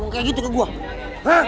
kayak gitu ke gue